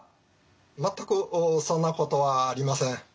全くそんなことはありません。